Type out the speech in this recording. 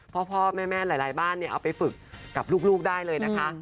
พ่อแม่หลายบ้านเอาไปฝึกกับลูกได้เลยนะคะ